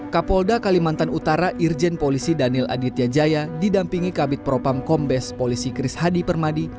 kapolda kalimantan utara irjen polisi daniel aditya jaya didampingi kabit propam kombes polisi kris hadi permadi